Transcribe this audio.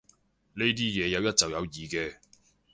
呢啲嘢有一就有二嘅